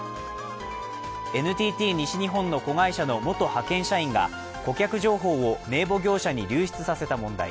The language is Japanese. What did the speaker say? ＮＴＴ西日本の子会社の元派遣社員が顧客情報を名簿業者に流出されたもの。